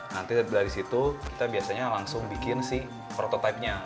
nanti dari situ kita biasanya langsung bikin si prototipenya